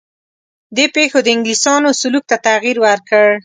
دې پېښو د انګلیسیانو سلوک ته تغییر ورکړ.